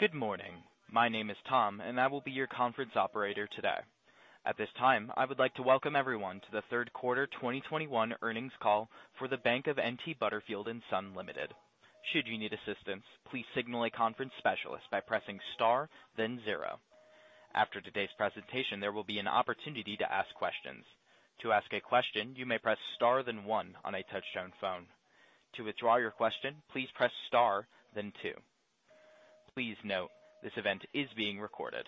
Good morning. My name is Tom, and I will be your conference operator today. At this time, I would like to welcome everyone to the Q3 2021 earnings call for The Bank of N.T. Butterfield & Son Limited. Should you need assistance, please signal a conference specialist by pressing star then zero. After today's presentation, there will be an opportunity to ask questions. To ask a question, you may press star then one on a touch-tone phone. To withdraw your question, please press star then two. Please note, this event is being recorded.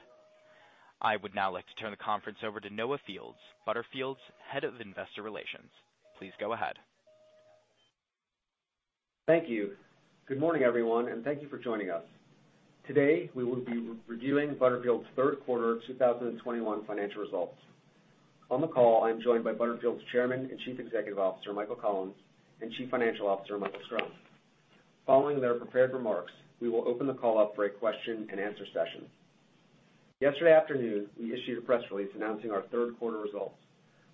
I would now like to turn the conference over to Noah Fields, Butterfield's Head of Investor Relations. Please go ahead. Thank you. Good morning, everyone, and thank you for joining us. Today, we will be reviewing Butterfield's Q3 of 2021 financial results. On the call, I'm joined by Butterfield's Chairman and CEO, Michael Collins, and CFO, Michael Schrum. Following their prepared remarks, we will open the call up for a question-and-answer session. Yesterday afternoon, we issued a press release announcing our Q3 results.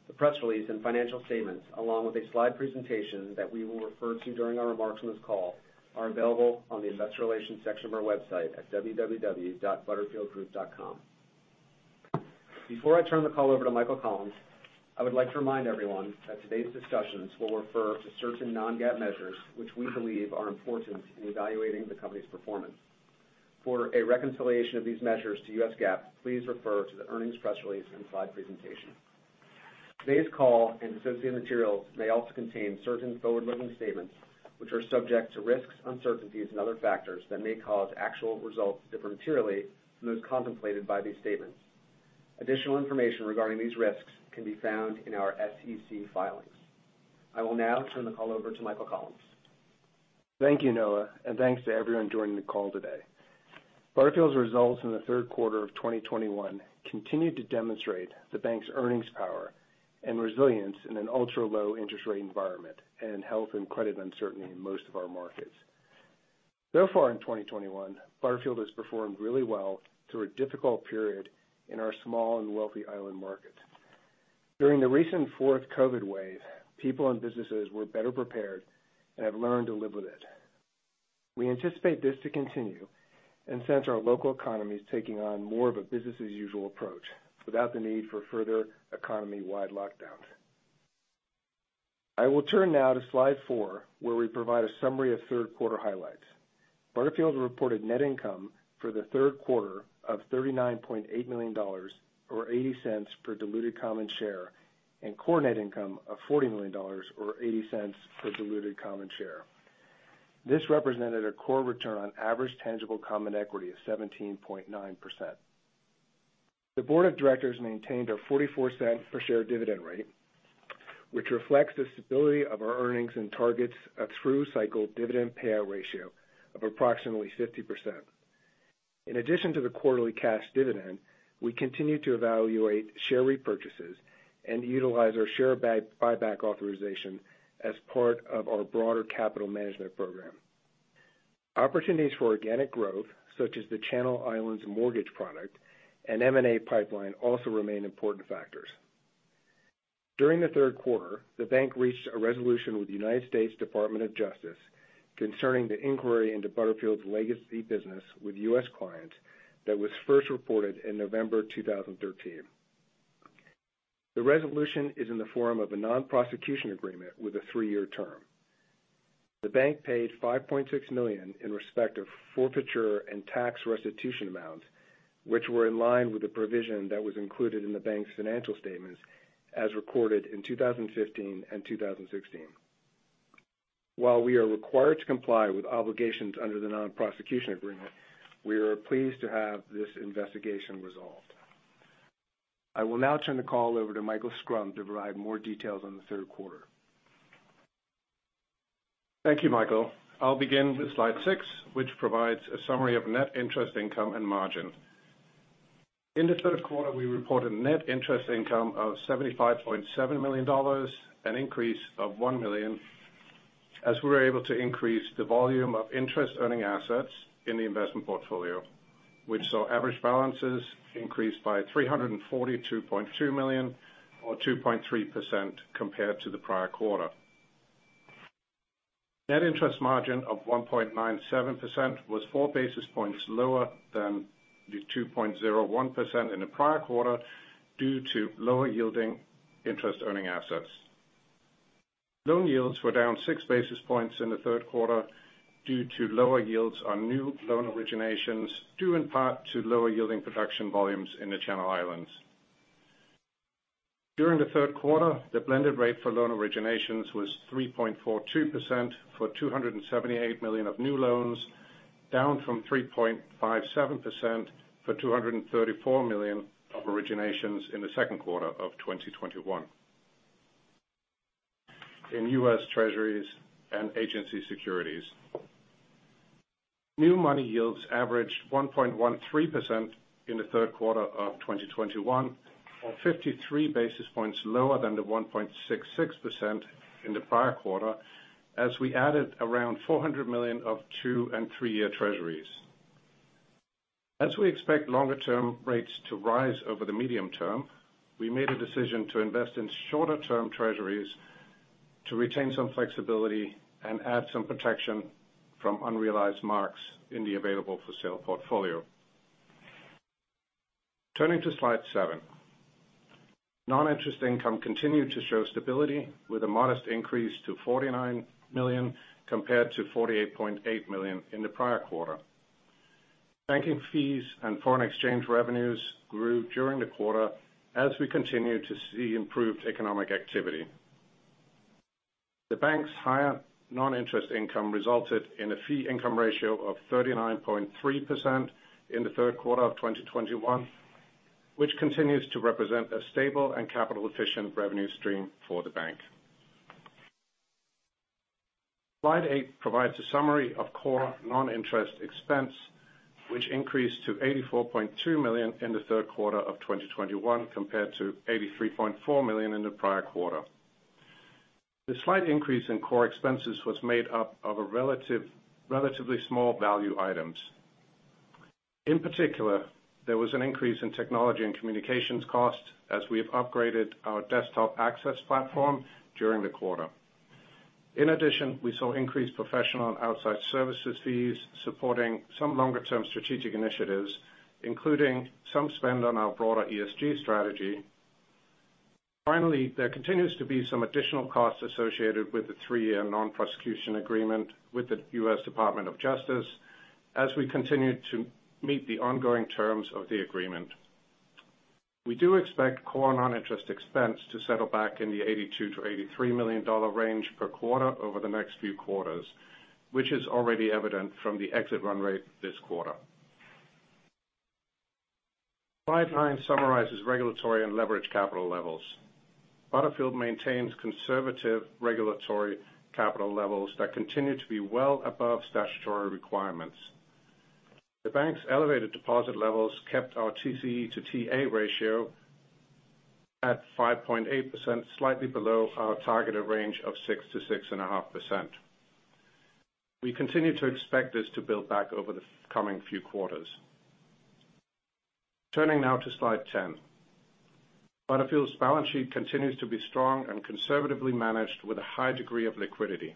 The press release and financial statements, along with a slide presentation that we will refer to during our remarks on this call, are available on the investor relations section of our website at www.butterfieldgroup.com. Before I turn the call over to Michael Collins, I would like to remind everyone that today's discussions will refer to certain non-GAAP measures, which we believe are important in evaluating the company's performance. For a reconciliation of these measures to U.S. GAAP, please refer to the earnings press release and slide presentation. Today's call and associated materials may also contain certain forward-looking statements which are subject to risks, uncertainties and other factors that may cause actual results to differ materially from those contemplated by these statements. Additional information regarding these risks can be found in our SEC filings. I will now turn the call over to Michael Collins. Thank you, Noah, and thanks to everyone joining the call today. Butterfield's results in the third quarter of 2021 continued to demonstrate the bank's earnings power and resilience in an ultra-low interest rate environment and health and credit uncertainty in most of our markets. So far in 2021, Butterfield has performed really well through a difficult period in our small and wealthy island market. During the recent fourth COVID wave, people and businesses were better prepared and have learned to live with it. We anticipate this to continue and sense our local economy is taking on more of a business as usual approach without the need for further economy-wide lockdowns. I will turn now to slide four, where we provide a summary of Q3 highlights. Butterfield reported net income for the Q3 of $39.8 million or $0.80 per diluted common share and core net income of $40 million or $0.80 per diluted common share. This represented a core return on average tangible common equity of 17.9%. The board of directors maintained our 44 cent per share dividend rate, which reflects the stability of our earnings and targets a through cycle dividend payout ratio of approximately 50%. In addition to the quarterly cash dividend, we continue to evaluate share repurchases and utilize our share buyback authorization as part of our broader capital management program. Opportunities for organic growth, such as the Channel Islands mortgage product and M&A pipeline, also remain important factors. During the Q3, the bank reached a resolution with the United States Department of Justice concerning the inquiry into Butterfield's legacy business with U.S. clients that was first reported in November 2013. The resolution is in the form of a non-prosecution agreement with a three-year term. The bank paid $5.6 million in respect of forfeiture and tax restitution amounts, which were in line with the provision that was included in the bank's financial statements as recorded in 2015 and 2016. While we are required to comply with obligations under the non-prosecution agreement, we are pleased to have this investigation resolved. I will now turn the call over to Michael Schrum to provide more details on the Q3. Thank you, Michael. I'll begin with slide six, which provides a summary of net interest income and margin. In the Q3, we reported net interest income of $75.7 million, an increase of $1 million, as we were able to increase the volume of interest earning assets in the investment portfolio, which saw average balances increase by $342.2 million or 2.3% compared to the prior quarter. Net interest margin of 1.97% was four basis points lower than the 2.01% in the prior quarter due to lower yielding interest earning assets. Loan yields were down six basis points in the Q3 due to lower yields on new loan originations, due in part to lower yielding production volumes in the Channel Islands. During the third quarter, the blended rate for loan originations was 3.42% for $278 million of new loans, down from 3.57% for $234 million of originations in the Q2 of 2021. In U.S. Treasuries and agency securities, new money yields averaged 1.13% in the Q3 of 2021, or 53 basis points lower than the 1.66% in the prior quarter as we added around $400 million of two and three-year Treasuries. As we expect longer-term rates to rise over the medium term, we made a decision to invest in shorter-term Treasuries to retain some flexibility and add some protection from unrealized marks in the available-for-sale portfolio. Turning to slide seven. Noninterest income continued to show stability with a modest increase to $49 million compared to $48.8 million in the prior quarter. Banking fees and foreign exchange revenues grew during the quarter as we continue to see improved economic activity. The bank's higher noninterest income resulted in a fee income ratio of 39.3% in the Q3 of 2021, which continues to represent a stable and capital-efficient revenue stream for the bank. Slide 8 provides a summary of core noninterest expense, which increased to $84.2 million in the Q3 of 2021 compared to $83.4 million in the prior quarter. The slight increase in core expenses was made up of relatively small-value items. In particular, there was an increase in technology and communications costs as we have upgraded our desktop access platform during the quarter. In addition, we saw increased professional and outside services fees supporting some longer-term strategic initiatives, including some spend on our broader ESG strategy. Finally, there continues to be some additional costs associated with the three-year non-prosecution agreement with the U.S. Department of Justice as we continue to meet the ongoing terms of the agreement. We do expect core non-interest expense to settle back in the $82 million-$83 million range per quarter over the next few quarters, which is already evident from the exit run rate this quarter. Slide nine summarizes regulatory and leverage capital levels. Butterfield maintains conservative regulatory capital levels that continue to be well above statutory requirements. The bank's elevated deposit levels kept our TCE to TA ratio at 5.8%, slightly below our targeted range of 6%-6.5%. We continue to expect this to build back over the coming few quarters. Turning now to slide 10. Butterfield's balance sheet continues to be strong and conservatively managed with a high degree of liquidity.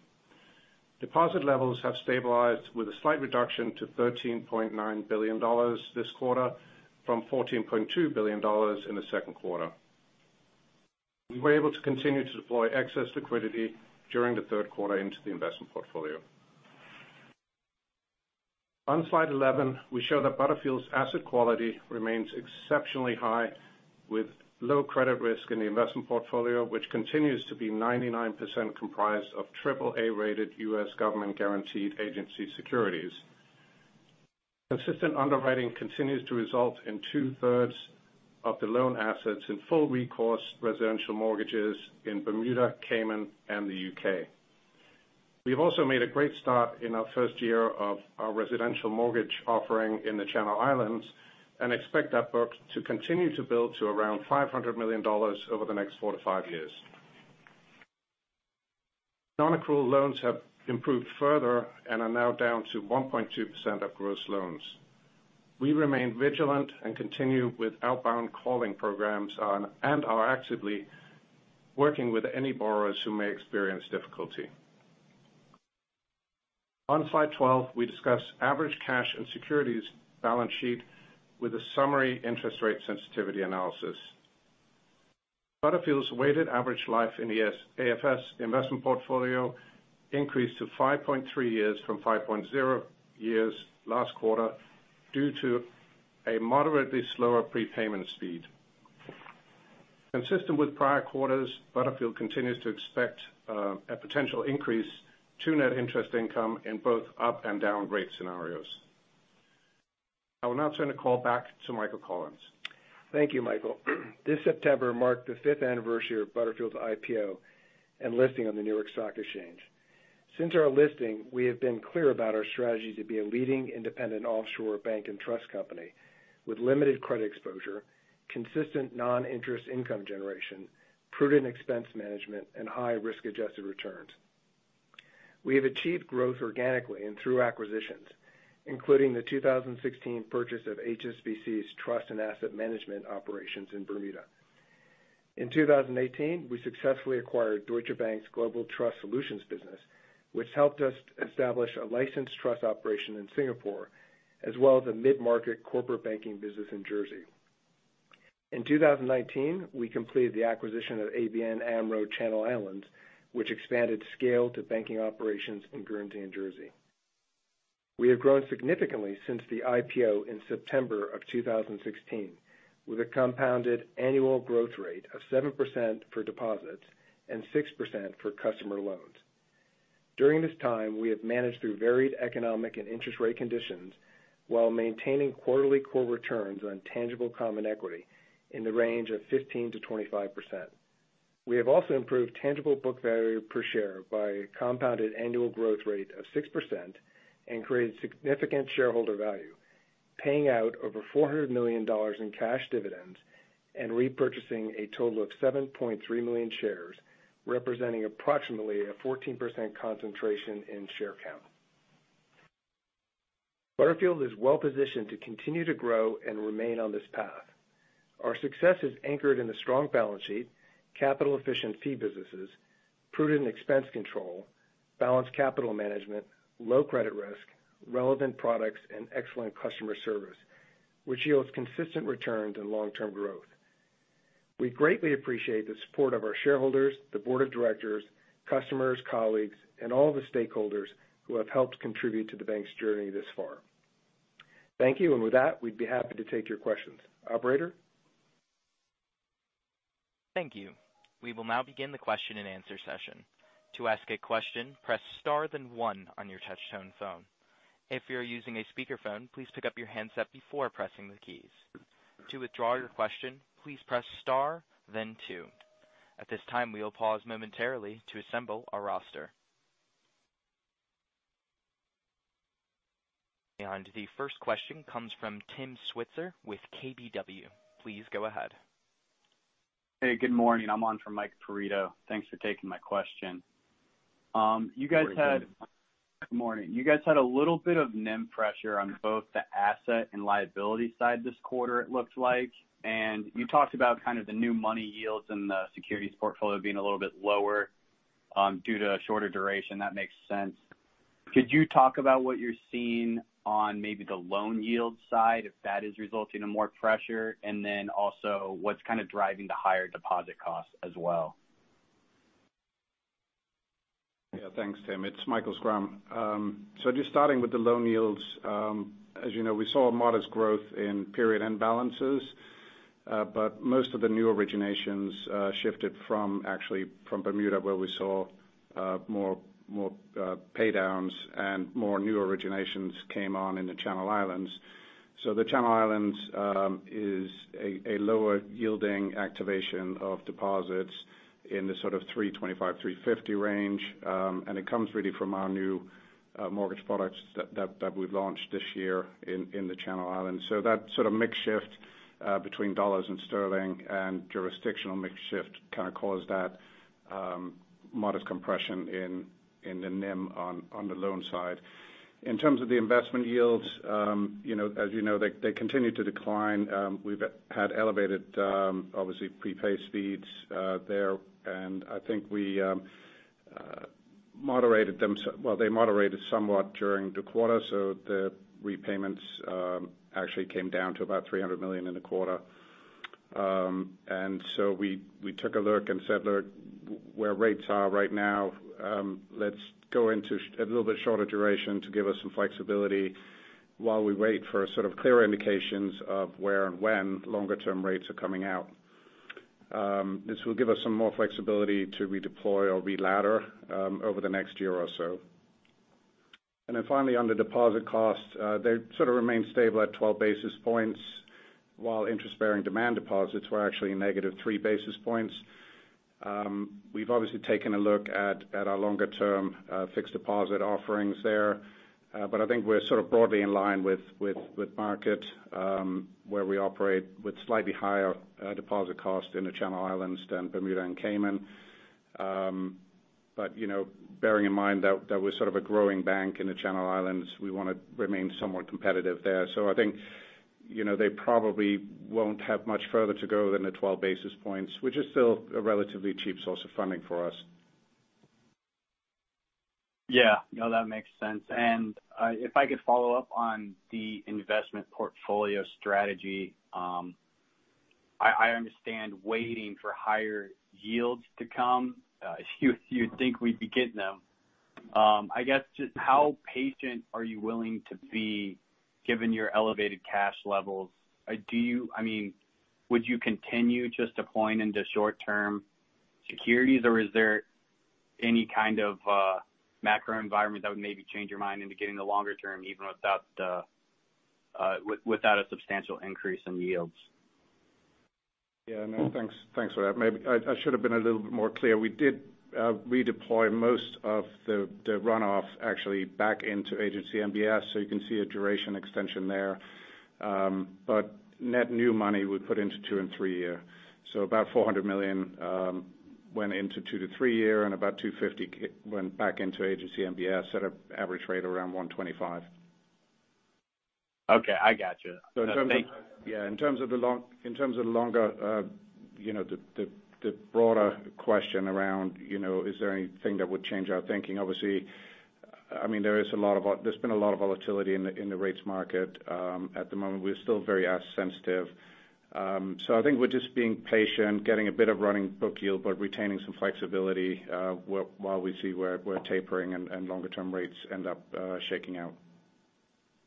Deposit levels have stabilized with a slight reduction to $13.9 billion this quarter from $14.2 billion in the Q2. We were able to continue to deploy excess liquidity during the Q3 into the investment portfolio. On slide 11, we show that Butterfield's asset quality remains exceptionally high with low credit risk in the investment portfolio, which continues to be 99% comprised of AAA-rated U.S. government-guaranteed agency securities. Consistent underwriting continues to result in 2/3 of the loan assets in full recourse residential mortgages in Bermuda, Cayman, and the U.K. We have also made a great start in our first year of our residential mortgage offering in the Channel Islands and expect that book to continue to build to around $500 million over the next four-five years. Non-accrual loans have improved further and are now down to 1.2% of gross loans. We remain vigilant and continue with outbound calling programs and are actively working with any borrowers who may experience difficulty. On slide 12, we discuss average cash and securities balance sheet with a summary interest rate sensitivity analysis. Butterfield's weighted average life in the securities AFS investment portfolio increased to 5.3 years from 5.0 years last quarter due to a moderately slower prepayment speed. Consistent with prior quarters, Butterfield continues to expect a potential increase to net interest income in both up and down rate scenarios. I will now turn the call back to Michael Collins. Thank you, Michael. This September marked the fifth anniversary of Butterfield's IPO and listing on the New York Stock Exchange. Since our listing, we have been clear about our strategy to be a leading independent offshore bank and trust company with limited credit exposure, consistent non-interest income generation, prudent expense management, and high risk-adjusted returns. We have achieved growth organically and through acquisitions, including the 2016 purchase of HSBC's trust and asset management operations in Bermuda. In 2018, we successfully acquired Deutsche Bank's Global Trust Solutions business, which helped us establish a licensed trust operation in Singapore, as well as a mid-market corporate banking business in Jersey. In 2019, we completed the acquisition of ABN AMRO Channel Islands, which expanded scale to banking operations in Guernsey and Jersey. We have grown significantly since the IPO in September of 2016, with a compounded annual growth rate of seven percent for deposits and six percent for customer loans. During this time, we have managed through varied economic and interest rate conditions while maintaining quarterly core returns on tangible common equity in the range of 15%-25%. We have also improved tangible book value per share by a compounded annual growth rate of six percent and created significant shareholder value, paying out over $400 million in cash dividends and repurchasing a total of 7.3 million shares, representing approximately a 14% concentration in share count. Butterfield is well positioned to continue to grow and remain on this path. Our success is anchored in a strong balance sheet, capital efficient fee businesses, prudent expense control, balanced capital management, low credit risk, relevant products, and excellent customer service, which yields consistent returns and long-term growth. We greatly appreciate the support of our shareholders, the board of directors, customers, colleagues, and all the stakeholders who have helped contribute to the bank's journey this far. Thank you. With that, we'd be happy to take your questions. Operator? Thank you. We will now begin the question-and-answer session. To ask a question, press star then one on your touchtone phone. If you're using a speakerphone, please pick up your handset before pressing the keys. To withdraw your question, please press star then two. At this time, we will pause momentarily to assemble our roster. The first question comes from Tim Switzer with KBW. Please go ahead. Hey, good morning. I'm on for Mike Perito. Thanks for taking my question. You guys had- Good morning. Good morning. You guys had a little bit of NIM pressure on both the asset and liability side this quarter, it looks like. You talked about kind of the new money yields and the securities portfolio being a little bit lower, due to a shorter duration. That makes sense. Could you talk about what you're seeing on maybe the loan yield side, if that is resulting in more pressure? What's kind of driving the higher deposit costs as well? Yeah. Thanks, Tim. It's Michael Schrum. Just starting with the loan yields, as you know, we saw a modest growth in period-end balances. Most of the new originations shifted, actually, from Bermuda, where we saw more pay downs and more new originations came on in the Channel Islands. The Channel Islands is a lower yielding allocation of deposits in the sort of 3.25%-3.50% range. It comes really from our new mortgage products that we've launched this year in the Channel Islands. That sort of mix shift between dollars and sterling and jurisdictional mix shift kind of caused that modest compression in the NIM on the loan side. In terms of the investment yields, you know, as you know, they continue to decline. We've had elevated, obviously prepay speeds, there. I think we moderated them. Well, they moderated somewhat during the quarter, so the repayments actually came down to about $300 million in the quarter. We took a look and said, "Look where rates are right now, let's go into a little bit shorter duration to give us some flexibility while we wait for sort of clear indications of where and when longer-term rates are coming out. This will give us some more flexibility to redeploy or reladder over the next year or so. Finally, on the deposit costs, they sort of remained stable at 12 basis points, while interest-bearing demand deposits were actually negative three basis points. We've obviously taken a look at our longer term fixed deposit offerings there. I think we're sort of broadly in line with market where we operate with slightly higher deposit costs in the Channel Islands than Bermuda and Cayman. You know, bearing in mind that that was sort of a growing bank in the Channel Islands, we wanna remain somewhat competitive there. I think, you know, they probably won't have much further to go than the 12 basis points, which is still a relatively cheap source of funding for us. Yeah. No, that makes sense. If I could follow up on the investment portfolio strategy, I understand waiting for higher yields to come, if you think we'd be getting them. I guess, just how patient are you willing to be given your elevated cash levels? Do you, I mean, would you continue just deploying in the short-term securities, or is there any kind of macro environment that would maybe change your mind into getting the longer term, even without a substantial increase in yields? Yeah, no, thanks. Thanks for that. Maybe I should have been a little bit more clear. We did redeploy most of the runoff actually back into agency MBS, so you can see a duration extension there. But net new money we put into two-three year. About $400 million went into two-three year, and about $250 million went back into agency MBS at an average rate around 1.25%. Okay, I gotcha. In terms of the longer broader question around, is there anything that would change our thinking? Obviously, there has been a lot of volatility in the rates market at the moment. We're still very sensitive. I think we're just being patient, getting a bit of running book yield, but retaining some flexibility while we see where tapering and longer-term rates end up shaking out.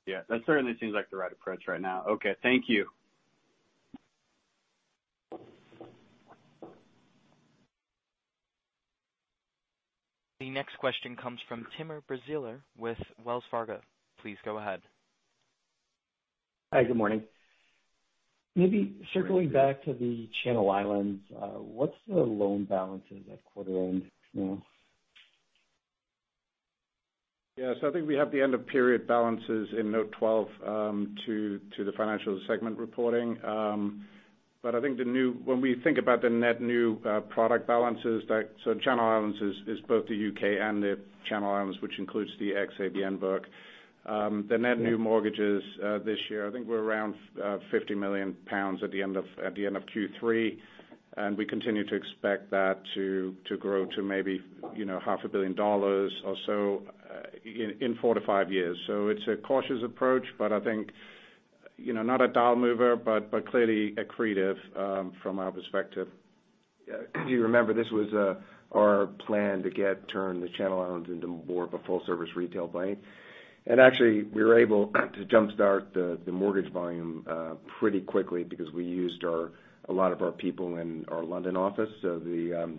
Yeah, that certainly seems like the right approach right now. Okay, thank you. The next question comes from Timur Braziler with Wells Fargo. Please go ahead. Hi, good morning. Maybe circling back to the Channel Islands, what's the loan balances at quarter end now? Yeah. I think we have the end of period balances in note 12 to the financial segment reporting. I think when we think about the net new product balances that, Channel Islands is both the U.K. and the Channel Islands, which includes the ex-ABN book. The net new mortgages this year, I think we're around 50 million pounds at the end of Q3. We continue to expect that to grow to maybe, you know, half a billion dollars or so in four-five years. It's a cautious approach, but I think, you know, not a deal mover, but clearly accretive from our perspective. Yeah. If you remember, this was our plan to turn the Channel Islands into more of a full service retail bank. Actually, we were able to jumpstart the mortgage volume pretty quickly because we used a lot of our people in our London office, the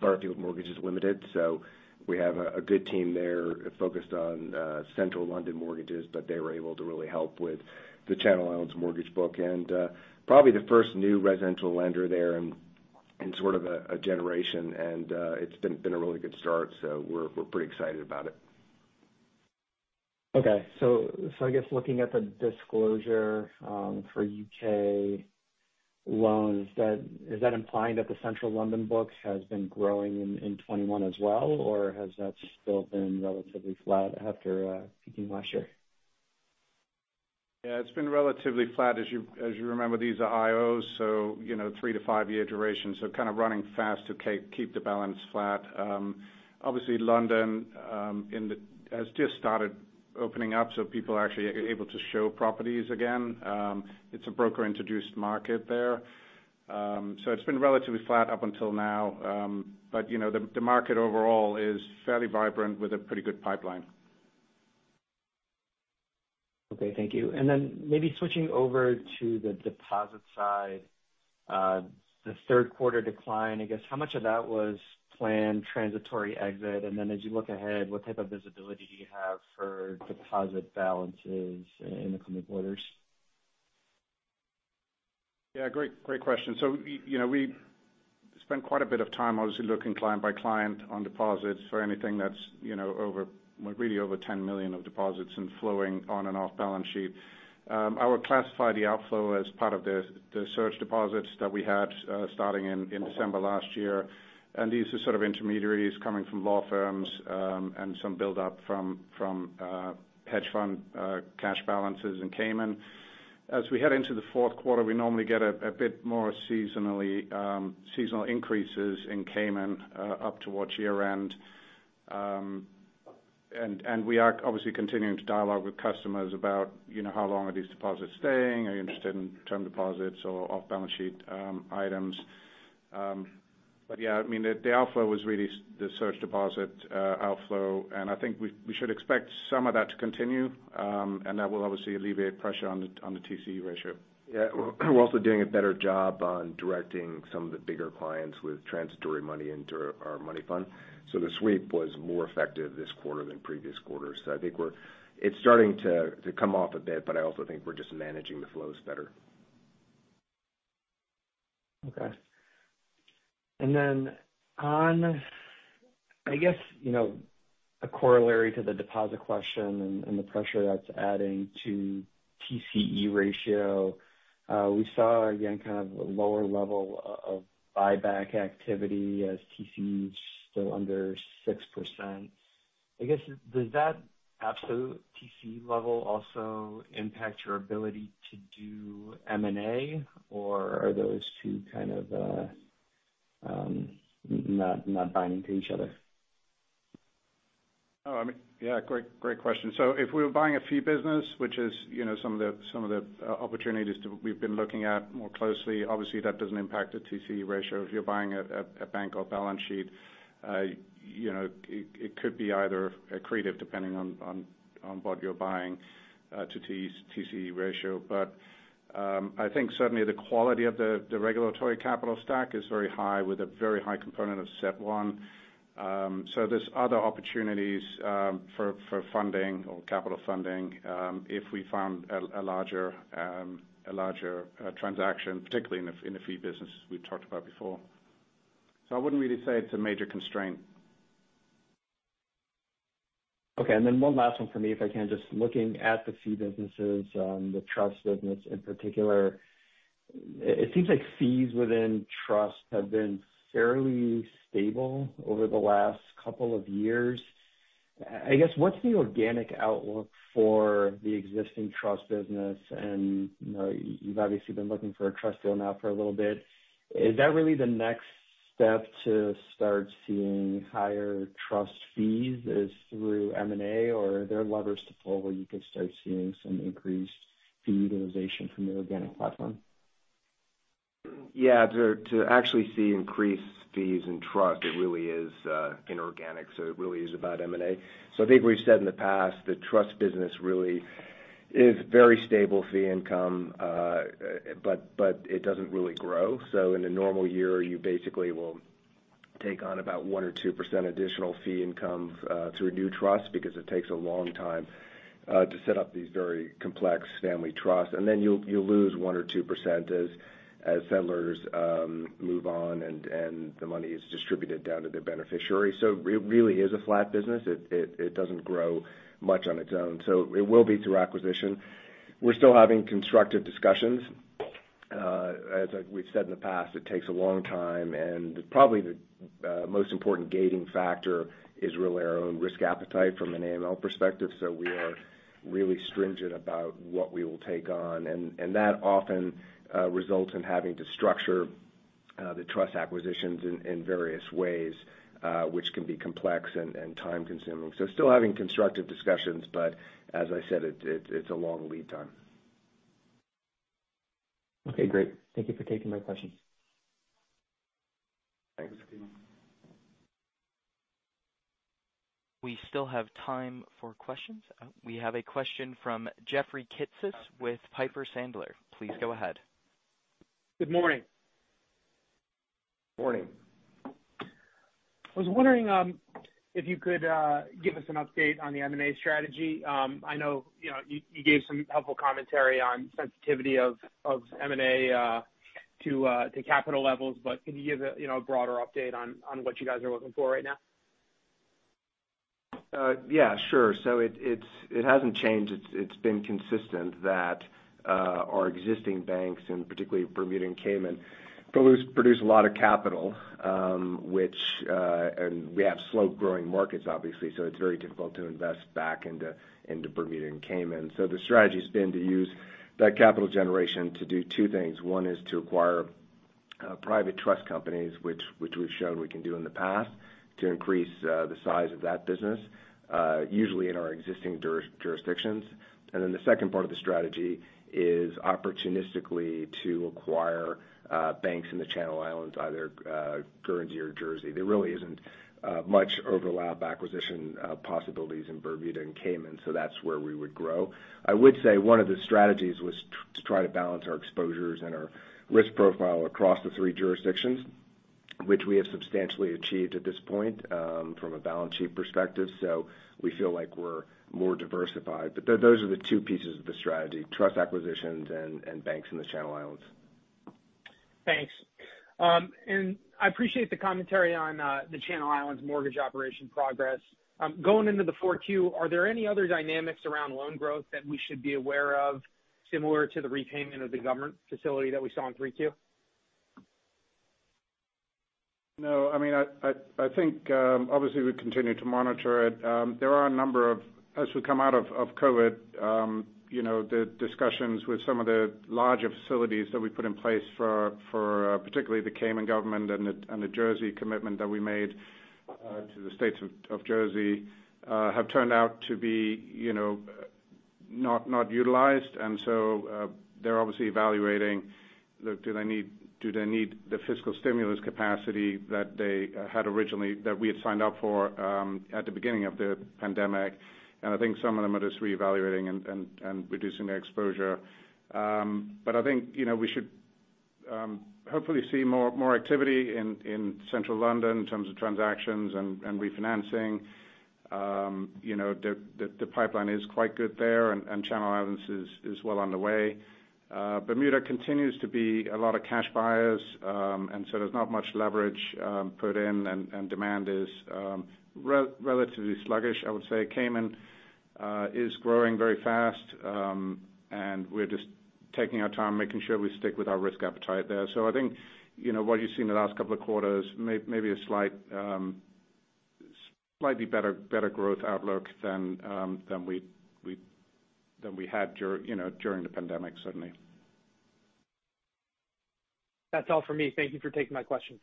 Butterfield Mortgages Limited. We have a good team there focused on central London mortgages, but they were able to really help with the Channel Islands mortgage book. Probably the first new residential lender there in sort of a generation. It's been a really good start, so we're pretty excited about it. Okay. I guess looking at the disclosure for U.K. loans, that is that implying that the central London books has been growing in 2021 as well, or has that still been relatively flat after peaking last year? Yeah, it's been relatively flat. As you remember, these are IOs, so you know, three-five year duration, so kind of running fast to keep the balance flat. Obviously London has just started opening up, so people are actually able to show properties again. It's a broker introduced market there. It's been relatively flat up until now. You know, the market overall is fairly vibrant with a pretty good pipeline. Okay, thank you. Maybe switching over to the deposit side. The Q3 decline, I guess, how much of that was planned transitory exit? As you look ahead, what type of visibility do you have for deposit balances in the coming quarters? Yeah, great question. So we, you know, we spent quite a bit of time obviously looking client by client on deposits for anything that's, you know, over, really over $10 million of deposits and flowing on and off balance sheet. I would classify the outflow as part of the surge deposits that we had starting in December last year. These are sort of intermediaries coming from law firms and some build up from hedge fund cash balances in Cayman. As we head into the fourth quarter, we normally get a bit more seasonal increases in Cayman up towards year-end. We are obviously continuing to dialogue with customers about, you know, how long are these deposits staying? Are you interested in term deposits or off balance sheet items? Yeah, I mean the outflow was really the surge deposit outflow, and I think we should expect some of that to continue, and that will obviously alleviate pressure on the TCE ratio. Yeah. We're also doing a better job on directing some of the bigger clients with transitory money into our money fund. The sweep was more effective this quarter than previous quarters. I think it's starting to come off a bit, but I also think we're just managing the flows better. Okay. Then on, I guess, you know, a corollary to the deposit question and the pressure that's adding to TCE ratio, we saw again, kind of a lower level of buyback activity as TCE is still under six percent. I guess does that absolute TCE level also impact your ability to do M&A, or are those two kind of not binding to each other? I mean, yeah, great question. If we were buying a fee business, which is, you know, some of the opportunities we've been looking at more closely, obviously that doesn't impact the TCE ratio. If you're buying a bank off balance sheet, you know, it could be either accretive depending on what you're buying to TCE ratio. I think certainly the quality of the regulatory capital stack is very high with a very high component of CET1. There's other opportunities for funding or capital funding if we found a larger transaction, particularly in the fee business we've talked about before. I wouldn't really say it's a major constraint. Okay. One last one for me, if I can. Just looking at the fee businesses, the trust business in particular, it seems like fees within trust have been fairly stable over the last couple of years. I guess, what's the organic outlook for the existing trust business? You know, you've obviously been looking for a trust deal now for a little bit. Is that really the next step to start seeing higher trust fees is through M&A, or are there levers to pull where you could start seeing some increased fee utilization from the organic platform? Yeah. To actually see increased fees in trust, it really is inorganic, so it really is about M&A. I think we've said in the past that trust business really is very stable fee income, but it doesn't really grow. In a normal year, you basically will take on about one or two percent additional fee income through a new trust because it takes a long time to set up these very complex family trusts. Then you'll lose one or two percent as settlors move on and the money is distributed down to the beneficiary. Really is a flat business. It doesn't grow much on its own, so it will be through acquisition. We're still having constructive discussions. As we've said in the past, it takes a long time, and probably the most important gating factor is really our own risk appetite from an AML perspective. We are really stringent about what we will take on, and that often results in having to structure the trust acquisitions in various ways, which can be complex and time-consuming. Still having constructive discussions, but as I said, it's a long lead time. Okay, great. Thank you for taking my question. Thanks. We still have time for questions. We have a question from Jeffrey Kitsis with Piper Sandler. Please go ahead. Good morning. Morning. I was wondering if you could give us an update on the M&A strategy. I know, you know, you gave some helpful commentary on sensitivity of M&A to capital levels, but can you give a, you know, a broader update on what you guys are looking for right now? Yeah, sure. It hasn't changed. It's been consistent that our existing banks, and particularly Bermuda and Cayman, produce a lot of capital, which and we have slow-growing markets, obviously, so it's very difficult to invest back into Bermuda and Cayman. The strategy's been to use that capital generation to do two things. One is to acquire private trust companies, which we've shown we can do in the past, to increase the size of that business, usually in our existing jurisdictions. The second part of the strategy is opportunistically to acquire banks in the Channel Islands, either Guernsey or Jersey. There really isn't much overlap acquisition possibilities in Bermuda and Cayman, so that's where we would grow. I would say one of the strategies was to try to balance our exposures and our risk profile across the three jurisdictions, which we have substantially achieved at this point, from a balance sheet perspective. We feel like we're more diversified. Those are the two pieces of the strategy, trust acquisitions and banks in the Channel Islands. Thanks. I appreciate the commentary on the Channel Islands mortgage operation progress. Going into Q4, are there any other dynamics around loan growth that we should be aware of similar to the repayment of the government facility that we saw in Q3? No, I mean, I think, obviously we continue to monitor it. There are a number of, as we come out of COVID, you know, the discussions with some of the larger facilities that we put in place for particularly the Cayman government and the Jersey commitment that we made to the States of Jersey have turned out to be, you know, not utilized. They're obviously evaluating, look, do they need the fiscal stimulus capacity that they had originally, that we had signed up for at the beginning of the pandemic. I think some of them are just reevaluating and reducing their exposure. I think, you know, we should hopefully see more activity in central London in terms of transactions and refinancing. You know, the pipeline is quite good there and Channel Islands is well on the way. Bermuda continues to be a lot of cash buyers, and so there's not much leverage put in and demand is relatively sluggish, I would say. Cayman is growing very fast, and we're just taking our time, making sure we stick with our risk appetite there. I think, you know, what you see in the last couple of quarters, maybe a slightly better growth outlook than we had during the pandemic, certainly. That's all for me. Thank you for taking my question.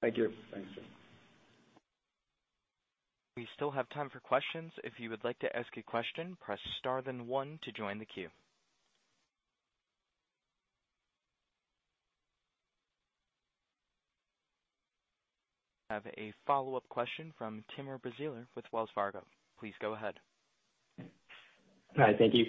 Thank you. We have a follow-up question from Timur Braziler with Wells Fargo. Please go ahead. Hi. Thank you.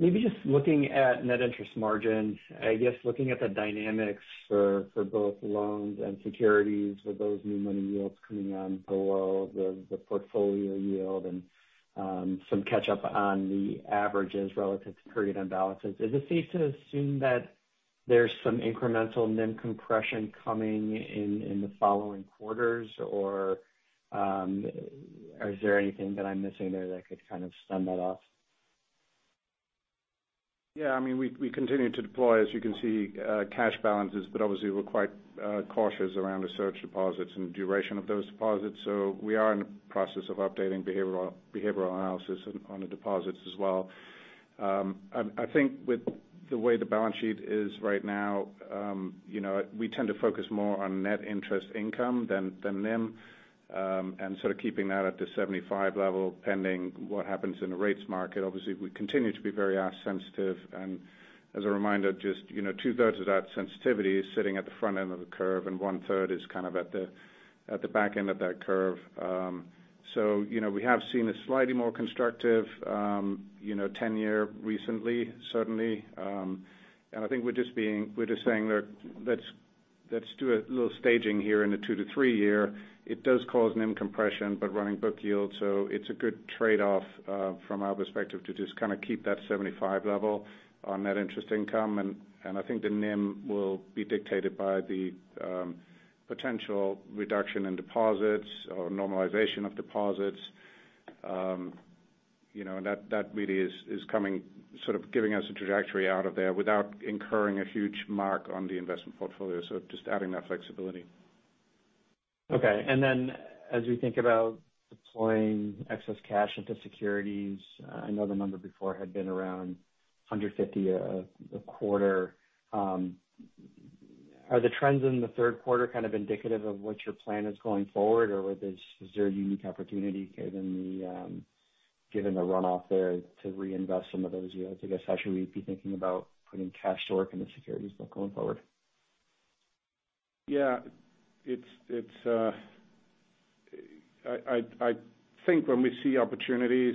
Maybe just looking at net interest margins, I guess looking at the dynamics for both loans and securities with those new money yields coming on below the portfolio yield and some catch up on the averages relative to period-end balances. Is it safe to assume that there's some incremental NIM compression coming in the following quarters? Or, is there anything that I'm missing there that could kind of stave that off? Yeah, I mean, we continue to deploy, as you can see, cash balances, but obviously we're quite cautious around the surge deposits and duration of those deposits. We are in the process of updating behavioral analysis on the deposits as well. I think with the way the balance sheet is right now, you know, we tend to focus more on net interest income than NIM, and sort of keeping that at the 75 level, pending what happens in the rates market. Obviously, we continue to be very asset sensitive. As a reminder, you know, two-thirds of that sensitivity is sitting at the front end of the curve, and one-third is kind of at the back end of that curve. You know, we have seen a slightly more constructive 10-year recently, certainly. I think we're just saying that let's do a little staging here in the two-three year. It does cause NIM compression, but running book yield, so it's a good trade-off from our perspective to just kind of keep that 75 level on net interest income. I think the NIM will be dictated by the potential reduction in deposits or normalization of deposits. You know, that really is coming, sort of giving us a trajectory out of there without incurring a huge mark on the investment portfolio. Just adding that flexibility. Okay. As we think about deploying excess cash into securities, I know the number before had been around $150 a quarter. Are the trends in the Q3 kind of indicative of what your plan is going forward, or is there a unique opportunity given the runoff there to reinvest some of those yields? I guess, how should we be thinking about putting cash to work in the securities book going forward? Yeah. I think when we see opportunities,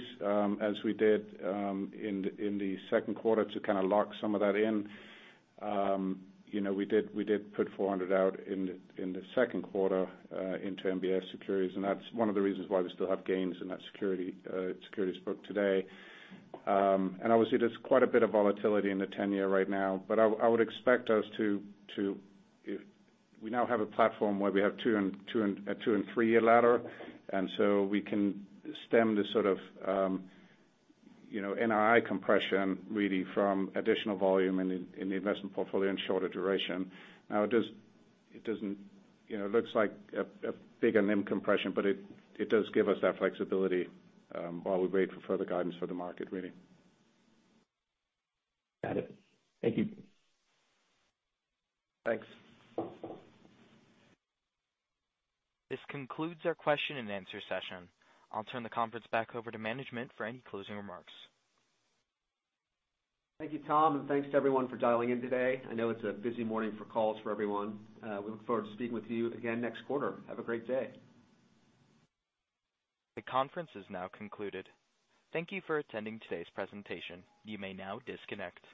as we did in the Q2 to kind of lock some of that in, you know, we did put $400 out in the Q2 into MBS securities, and that's one of the reasons why we still have gains in that securities book today. Obviously there's quite a bit of volatility in the 10-year right now, but I would expect us to have a platform where we have a two- and three-year ladder, and so we can stem the sort of, you know, NII compression really from additional volume in the investment portfolio in shorter duration. Now, it doesn't, you know, look like a bigger NIM compression, but it does give us that flexibility while we wait for further guidance for the market, really. Got it. Thank you. Thanks. This concludes our question and answer session. I'll turn the conference back over to management for any closing remarks. Thank you, Tom, and thanks to everyone for dialing in today. I know it's a busy morning for calls for everyone. We look forward to speaking with you again next quarter. Have a great day. The conference is now concluded. Thank you for attending today's presentation. You may now disconnect.